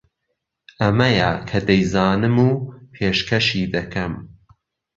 ئەمەیە کە دەیزانم و پێشکەشی دەکەم